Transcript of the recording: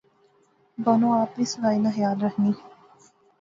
بانو آپ وی صفائی نا خیال رخنی